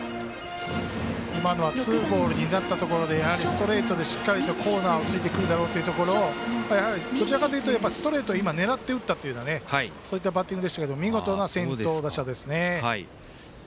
今のはツーボールになったところでやはりストレートでしっかりコーナーついてくるだろうというところをどちらかというとストレートを狙っていったというそういったバッティングでしたけど見事な先頭打者ですね。